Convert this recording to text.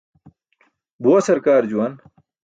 Buwa sarkaar senaan.